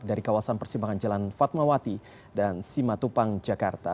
dari kawasan persimpangan jalan fatmawati dan simatupang jakarta